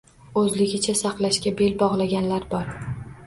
Oʻzligicha saqlashga bel bogʻlaganlar bor